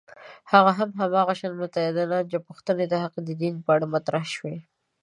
هغه هم هماغه متدینان چې پوښتنې د هغوی دین په اړه مطرح شوې.